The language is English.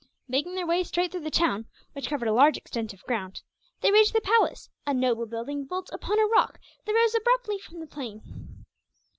Making their way straight through the town, which covered a large extent of ground, they reached the palace, a noble building built upon a rock that rose abruptly from the plain.